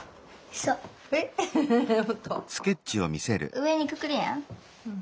上にくくるやん。